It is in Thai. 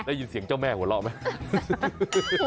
ได้ยินเสียงเจ้าแม่หัวเราะไหม